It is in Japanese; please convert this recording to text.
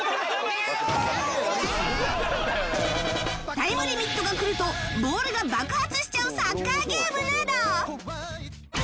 タイムリミットがくるとボールが爆発しちゃうサッカーゲームなど